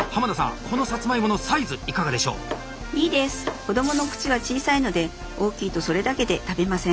子どもの口は小さいので大きいとそれだけで食べません。